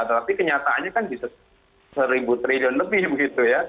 tapi kenyataannya kan bisa seribu triliun lebih